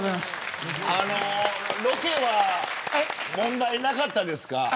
ロケは問題なかったですか。